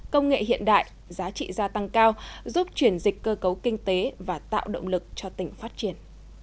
công nghệ hiện đại giá trị gia tăng cao giúp chuyển dịch cơ cấu kinh tế và tạo động lực cho tỉnh phát triển